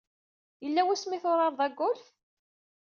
Yella wasmi ay turared agolf?